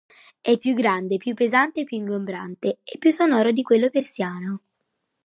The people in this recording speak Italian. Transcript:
È più grande, più pesante, più ingombrante e più sonoro di quello persiano.